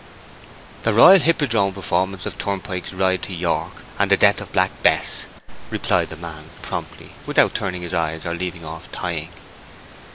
"The Royal Hippodrome Performance of Turpin's Ride to York and the Death of Black Bess," replied the man promptly, without turning his eyes or leaving off tying.